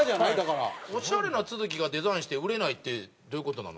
オシャレな都築がデザインして売れないってどういう事なの？